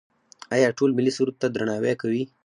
آیا ټول ملي سرود ته درناوی کوي؟